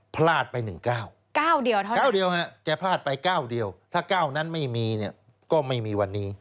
พลาดไป๑เก้าเก้าเดียวครับแกพลาดไปเก้าเดียวถ้าเก้านั้นไม่มีเนี่ยก็ไม่มีวันนี้